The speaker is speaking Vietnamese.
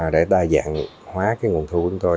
để đa dạng hóa nguồn thu của chúng tôi